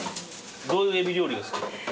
どういうエビ料理が好き？